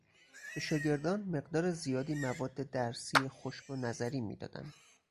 به شاگردان مقدار زیادی مواد درسی خشک و نظری میدادند.